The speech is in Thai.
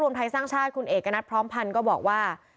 ไทยสร้างชาติคุณเอกณัฐพร้อมพันธ์ก็บอกว่า